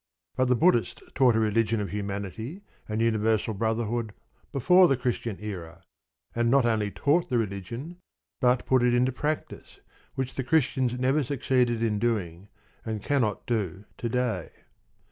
But the Buddhists taught a religion of humanity and universal brotherhood before the Christian era; and not only taught the religion, but put it into practice, which the Christians never succeeded in doing, and cannot do to day.